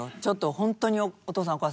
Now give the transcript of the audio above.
ホントにお父さんお母さん